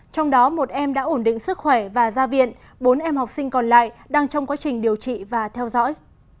trong đó một em đã ổn định sức khỏe và ra viện bốn em học sinh còn lại đang trong quá trình điều trị và theo dõi